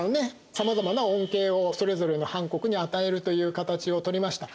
さまざまな恩恵をそれぞれのハン国に与えるという形をとりました。